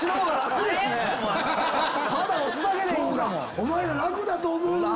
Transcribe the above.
お前ら楽だと思うんだ！